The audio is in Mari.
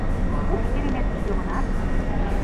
Куш кереметыш йомынат?